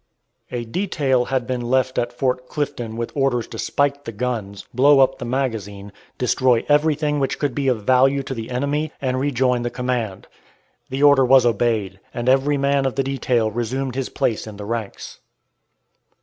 A detail had been left at Fort Clifton with orders to spike the guns, blow up the magazine, destroy everything which could be of value to the enemy, and rejoin the command. The order was obeyed, and every man of the detail resumed his place in the ranks.